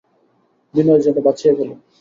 বিনয় যেন বাঁচিয়া গেল।